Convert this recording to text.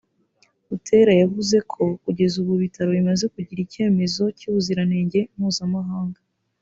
Butera yavuzeko kugeza ubu ibitaro bimaze kugira ikemezo cy’ubuziranenge mpuzamahanga